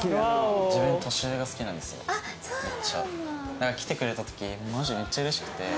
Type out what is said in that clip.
だから来てくれた時マジでめっちゃうれしくて。